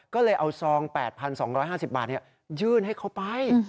ก็เลยเอาซอง๘๒๕๐บาทยื่นให้เขาไป